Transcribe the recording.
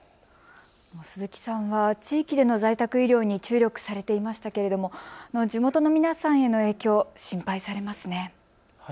鈴木さんは地域での在宅医療に注力されていましたけれども、地元の皆さんへの影響、心配されますね。